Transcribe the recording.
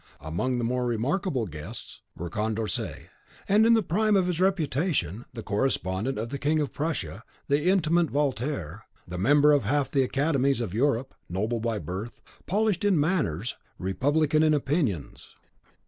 Among the more remarkable guests were Condorcet, then in the prime of his reputation, the correspondent of the king of Prussia, the intimate of Voltaire, the member of half the academies of Europe, noble by birth, polished in manners, republican in opinions.